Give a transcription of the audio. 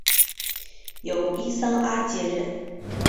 由伊桑阿接任。